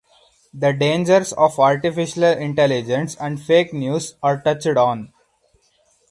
The dangers of artificial intelligence and fake news are touched on.